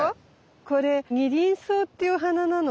これニリンソウっていうお花なの。